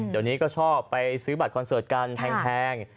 เดี๋ยวนี้ก็ชอบไปซื้อบัตรคอนเสิร์ตกันแพง